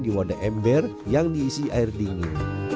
di wadah ember yang diisi air dingin